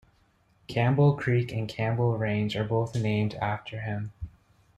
Campbell Creek and Campbell Range are both named after him.